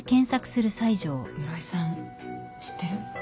室井さん知ってる？